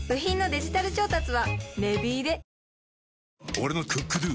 俺の「ＣｏｏｋＤｏ」！